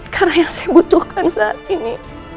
karena yang saya butuhkan saat ini